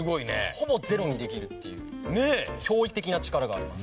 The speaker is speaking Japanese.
ほぼ０にできるっていう驚異的な力があります。